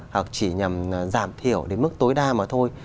hoặc chỉ nhằm giảm thiểu đến mức tối đa mà thôi